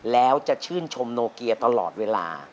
แล้วจะชื่นชมโนเกียตลอดเวลา